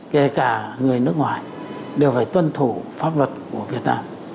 kể cả người nước ngoài đều phải tuân thủ pháp luật của việt nam